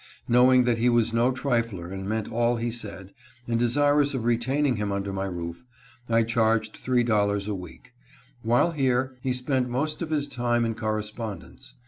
Know ing that he was no trifle r and meant all he said, and desirous of retaining him under my roof, I charged three dollars a week. While here, he spent most of his time in correspondence.